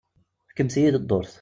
Fkemt-iyi-d dduṛt.